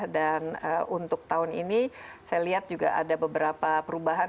dan untuk tahun ini saya lihat juga ada beberapa perubahan